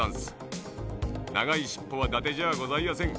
ながいしっぽはだてじゃあございやせん。